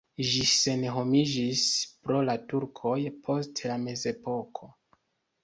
Ĝi senhomiĝis pro la turkoj post la mezepoko.